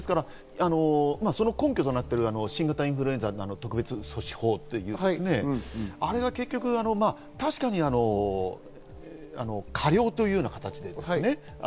根拠となっている新型インフルエンザの特別措置法、あれは結局、確かに過料という形ですね。